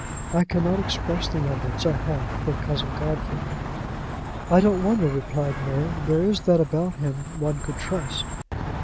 I can not express the reverence I have for Cousin Godfrey." "I don't wonder," replied Mary. "There is that about him one could trust."